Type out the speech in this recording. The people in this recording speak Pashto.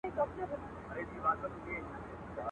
خدای دي نه کړي څوک عادت په بدي چاري.